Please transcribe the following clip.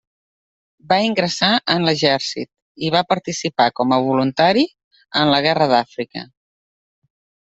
Va ingressar en l'exèrcit i va participar, com a voluntari, en la Guerra d'Àfrica.